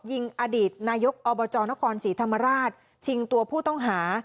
ยิงอดีตนายกอบจนครศรีธรรมราชชิงตัวผู้ต้องหา